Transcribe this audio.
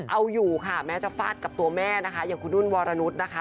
เอาอยู่ค่ะแม้จะฟาดกับตัวแม่นะคะอย่างคุณนุ่นวรนุษย์นะคะ